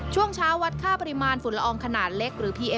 ช่วงเช้าวัดค่าปริมาณฝุ่นละอองขนาดเล็กหรือพีเอ